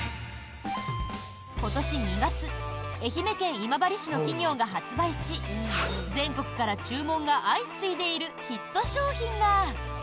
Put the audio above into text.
今年２月愛媛県今治市の企業が発売し全国から注文が相次いでいるヒット商品が。